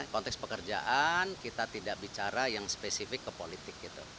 konteks pekerjaan kita tidak bicara yang spesifik ke politik gitu